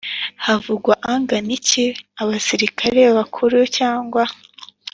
havugwa angana iki abasirikari bakuru cyangwa